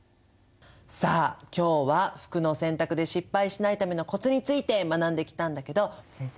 さあ今日は服の洗濯で失敗しないためのコツについて学んできたんだけど先生